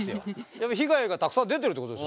やっぱ被害がたくさん出てるってことですよね。